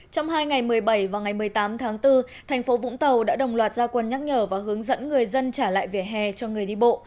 trong hai ngày một mươi bảy và ngày một mươi tám tháng bốn thành phố vũng tàu đã đồng loạt gia quân nhắc nhở và hướng dẫn người dân trả lại vỉa hè cho người đi bộ